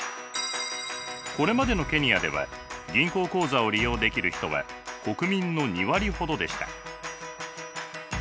これまでのケニアでは銀行口座を利用できる人は国民の２割ほどでした。